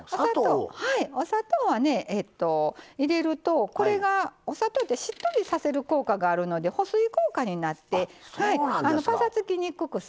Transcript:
お砂糖はね入れるとこれがお砂糖ってしっとりさせる効果があるので保水効果になってぱさつきにくくするんです。